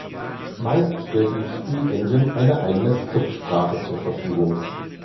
Meist stellt die Spiel-Engine eine eigene Skriptsprache zur Verfügung.